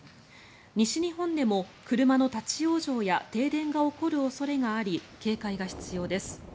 西日本でも車の立ち往生や停電が起こる恐れがあり警戒が必要です。